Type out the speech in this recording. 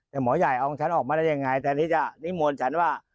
แต่หมอใหญ่เอาของฉันออกมาได้ยังไงตอนนี้จะนิมนต์ฉันว่า